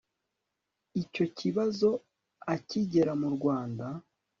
icyo kibazo akigera mu rwanda